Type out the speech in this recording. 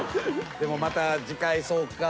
でもまた次回そうか。